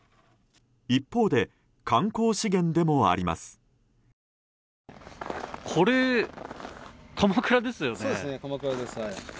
一方で観光資源でもあります。